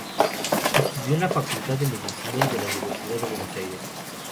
Estudió en la Facultad de Medicina de la Universidad de Buenos Aires.